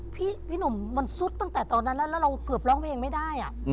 พี่หนุ่มมันซุดตั้งแต่ตอนนั้นแล้วเราเกือบร้องเพลงไม่ได้